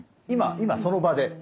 今今その場で。